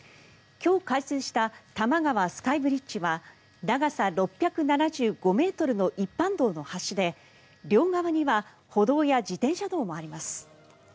今日、開通した多摩川スカイブリッジは長さ６７５ｍの一般道の橋で両側には歩道や自転車道もあります。